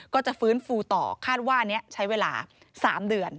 ก็จะฟื้นฟูต่อคาดว่านี้ใช้เวลา๓เดือน